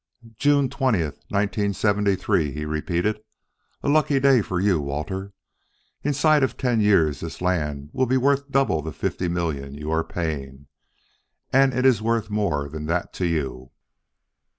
"June twentieth, nineteen seventy three," he repeated; "a lucky day for you, Walter. Inside of ten years this land will be worth double the fifty million you are paying and it is worth more than that to you."